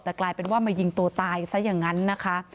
แต่กลายเป็นว่ามายิงตัวตายซะอย่างนั้นนะคะ